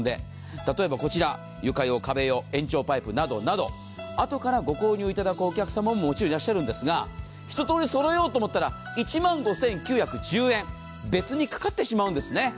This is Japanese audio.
例えば、床用、壁用、延長パイプなどなど、あとからご購入いただくお客様ももちろんいらっしゃるんですが、一通りそろえようと思ったら１万５９１０円、別にかかってしまうんですね。